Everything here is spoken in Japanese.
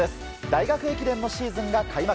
大学駅伝のシーズンが開幕。